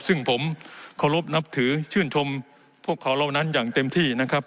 ซึ่งผมเคารพนับถือชื่นชมพวกเขาเหล่านั้นอย่างเต็มที่นะครับ